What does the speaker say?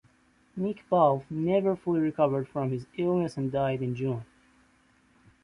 Nick Bawlf never fully recovered from his illness and died in June.